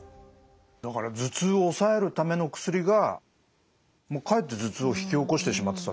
だから頭痛を抑えるための薬がもうかえって頭痛を引き起こしてしまってたっていう。